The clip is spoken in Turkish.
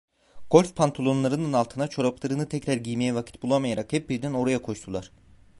Golf pantolonlarının altına çoraplarını tekrar giymeye vakit bulamayarak hep birden oraya koştular.